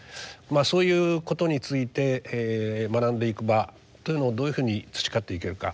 そういうことについて学んでいく場というのをどういうふうに培っていけるか。